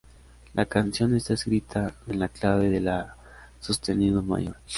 La canción está escrita en la clave de la sostenido mayor.